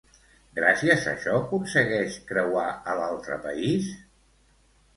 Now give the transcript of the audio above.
Gràcies a això, aconsegueix creuar a l'altre país?